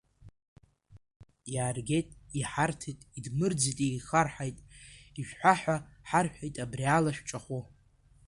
Иааргеит, иҳарҭеит, идмырӡит, еихарҳаит, ишәҳәа ҳәа ҳарҳәеит абриала шәҿахәы.